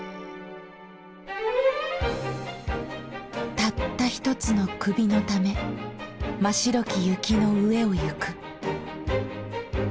たったひとつの首のためま白き雪の上をゆく。